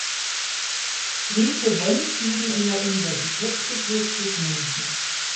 Briefe Vents liegen in der Universitätsbibliothek München.